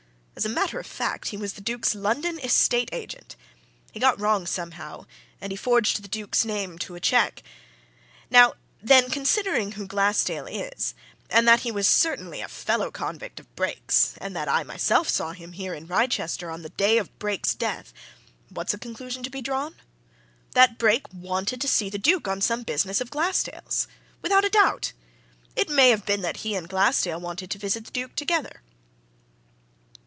As a matter of fact, he was the Duke's London estate agent. He got wrong, somehow, and he forged the Duke's name to a cheque. Now, then, considering who Glassdale is, and that he was certainly a fellow convict of Brake's, and that I myself saw him here in Wrychester on the day of Brake's death what's the conclusion to be drawn? That Brake wanted to see the Duke on some business of Glassdale's! Without a doubt! It may have been that he and Glassdale wanted to visit the Duke, together."